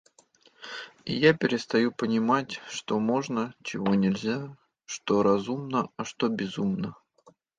И я перестаю понимать, что можно, чего нельзя, что разумно, а что безумно.